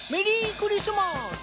クリスマス！